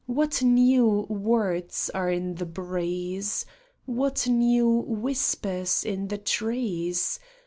What new words are in the breeze ? What new whispers in the trees